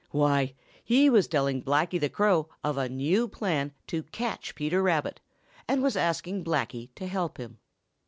Why, he was telling Blacky the Crow of a new plan to catch Peter Rabbit and was asking Blacky to help him.